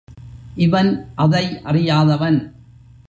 இவன் அதை அறியாதவன்.